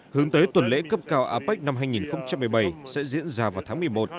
hướng tới tuần lễ cấp cao apec năm hai nghìn một mươi bảy sẽ diễn ra vào tháng một mươi một